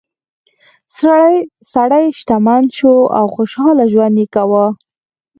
سړی شتمن شو او خوشحاله ژوند یې کاوه.